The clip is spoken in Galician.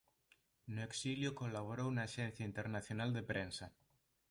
No exilio colaborou na Axencia Internacional de Prensa.